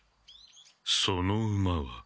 その馬は？